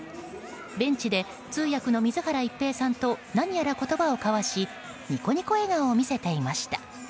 ベンチで通訳の水原一平さんと何やら言葉を交わしニコニコ笑顔を見せていました。